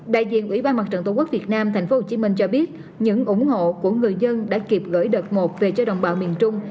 đại diện ủy ban mặt trận tổ quốc việt nam tp hcm cho biết những ủng hộ của người dân đã kịp gửi đợt một về cho đồng bào miền trung